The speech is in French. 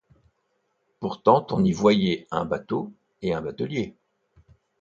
Pourtant on y voyait un bateau, et un batelier.